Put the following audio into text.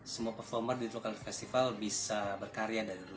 semua performer di true colors festival bisa berkarya dari rumah